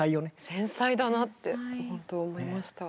繊細だなってほんと思いました。